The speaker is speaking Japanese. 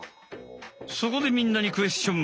そこでみんなにクエスチョン！